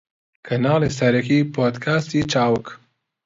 کەناڵی سەرەکی پۆدکاستی چاوگ